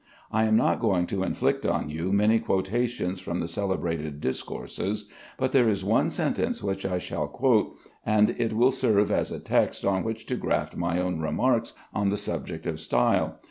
I am not going to inflict on you many quotations from the celebrated discourses, but there is one sentence which I shall quote, as it will serve as a text on which to graft my own remarks on the subject of style.